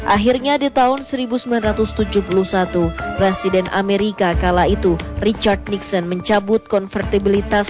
akhirnya di tahun seribu sembilan ratus tujuh puluh satu presiden amerika kala itu richard nixon mencabut konvertibilitas